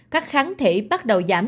các kháng thể bắt đầu giảm